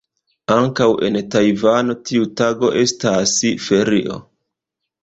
Ankaŭ en Tajvano tiu tago estas ferio.